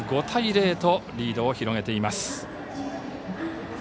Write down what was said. ５対０とリードを広げています。